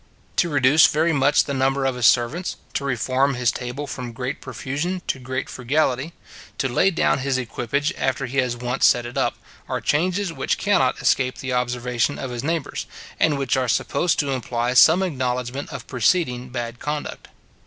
To reduce very much the number of his servants, to reform his table from great profusion to great frugality, to lay down his equipage after he has once set it up, are changes which cannot escape the observation of his neighbours, and which are supposed to imply some acknowledgment of preceding bad conduct.